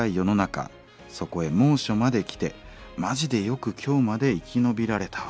そこへ猛暑まで来てマジでよく今日まで生き延びられたわ」。